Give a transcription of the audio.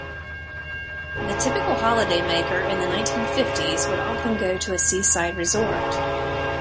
The typical holidaymaker in the nineteen-fifties would often go to a seaside resort